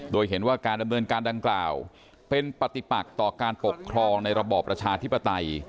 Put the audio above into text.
โดยเห็นว่าการดำเนินการดังกล่าวเป็นปฏิปักต่อการปกครองในระบอบประชาธิปไตย